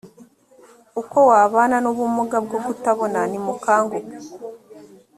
uko wabana n ubumuga bwo kutabona nimukanguke